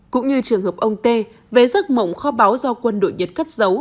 cũng như trường hợp ông tê về giấc mộng kho báo do quân đội nhật cất giấu